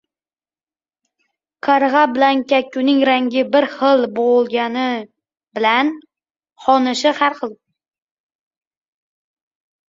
• Qarg‘a bilan kakkuning rangi bir bo‘lgani bilan xonishi har xil.